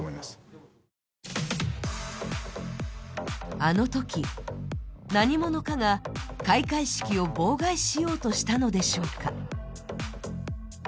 あのとき、何者かが開会式を妨害しようとしたのでしょうか。